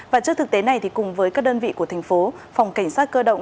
và trước thực tế này thì cùng với các đơn vị của thành phố phòng cảnh sát cơ động